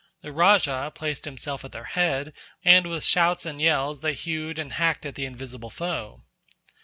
The rajah placed himself at their head, and with shouts and yells they hewed and hacked at the invisible foe.